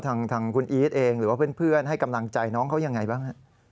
ทางคุณอีทเองหรือว่าเพื่อนให้กำลังใจน้องเขายังไงบ้าง